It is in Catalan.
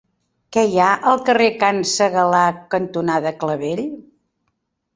Què hi ha al carrer Can Segalar cantonada Clavell?